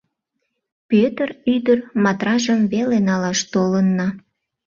Пӧтыр ӱдыр Матражым веле налаш толынна.